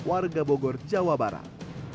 warga bogor jawa barat